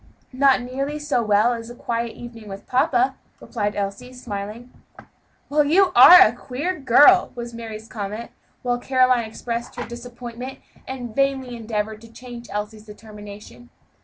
"Not nearly so well as a quiet evening with papa," replied Elsie, smiling. "Well, you are a queer girl!" was Mary's comment, while Caroline expressed her disappointment and vainly endeavored to change Elsie's determination.